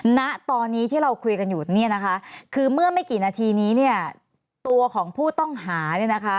ณตอนนี้ที่เราคุยกันอยู่เนี่ยนะคะคือเมื่อไม่กี่นาทีนี้เนี่ยตัวของผู้ต้องหาเนี่ยนะคะ